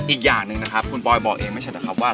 อีกอย่างหนึ่งนะครับคุณปอยบอกเองไม่ใช่นะครับว่า